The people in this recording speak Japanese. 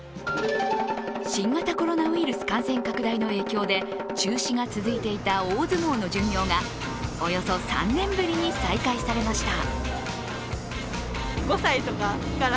新型コロナウイルス感染拡大の影響で中止が続いていた大相撲の巡業がおよそ３年ぶりに再開されました。